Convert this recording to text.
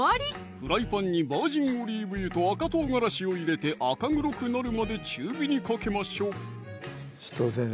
フライパンにバージンオリーブ油と赤唐辛子を入れて赤黒くなるまで中火にかけましょう紫藤先生